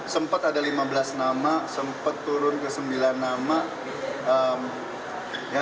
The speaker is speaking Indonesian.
sempat ada lima belas nama sempat turun ke sembilan nama